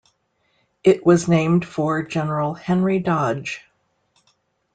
It was named for General Henry Dodge.